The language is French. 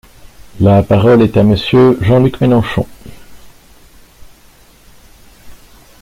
La parole est à Monsieur Jean-Luc Mélenchon.